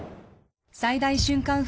最大瞬間